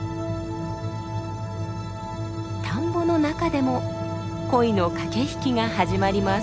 田んぼの中でも恋の駆け引きが始まります。